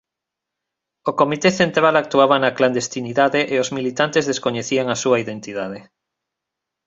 O Comité Central actuaba na clandestinidade e os militantes descoñecían a súa identidade.